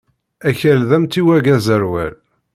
Akal d amtiweg aẓerwal.